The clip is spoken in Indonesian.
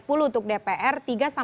untuk dpr tiga dua belas